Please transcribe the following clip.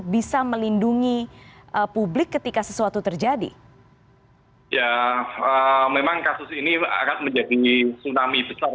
bisa melindungi publik ketika sesuatu terjadi ya memang kasus ini akan menjadi tsunami besar